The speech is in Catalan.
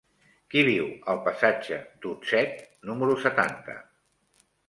Qui viu al passatge d'Utset número setanta?